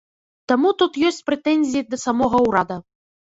Таму тут ёсць прэтэнзіі да самога ўрада.